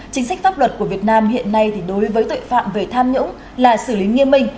chính sách pháp luật của việt nam hiện nay đối với tội phạm về tham nhũng là xử lý nghiêm minh